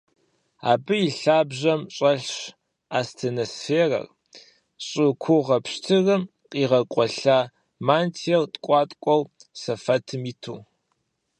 Абы и лъабжьэм щӀэлъщ астеносферэр: щӀы кугъуэ пщтырым къигъэкъуэлъа мантиер ткӀуаткӀуэ сэфэтым иту.